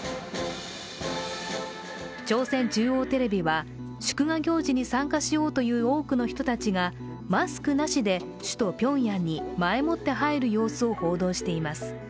朝鮮中央テレビは祝賀行事に参加しようという多くの人たちがマスクなしで首都ピョンヤンに前もって入る様子を報道しています。